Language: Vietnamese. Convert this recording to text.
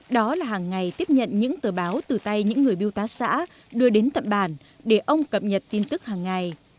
đó là hàng ngày tiếp nhận những tờ báo từ tay những người biêu tá xã đưa đến tận bản để ông cập nhật tin tức hàng ngày